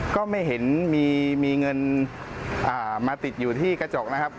ก็ไม่เห็นมีเงินมาติดอยู่ที่กระจกนะครับ